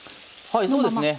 はいそうですね。